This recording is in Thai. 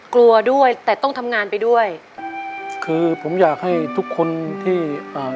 กลัวด้วยแต่ต้องทำงานไปด้วยคือผมอยากให้ทุกคนที่อ่า